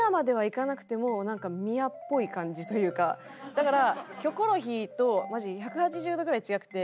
だから『キョコロヒー』とマジで１８０度ぐらい違くて。